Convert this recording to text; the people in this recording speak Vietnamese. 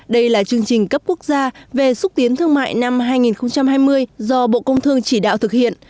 đây là chương trình cấp quốc gia về xúc tiến thương mại năm hai nghìn hai mươi do bộ công thương chỉ đạo thực hiện